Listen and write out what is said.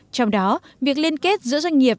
trong đó việc liên kết giữa doanh nghiệp